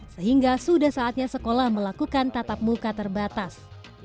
sehingga sudah saatnya sekolah melakukan tatap muka terbatas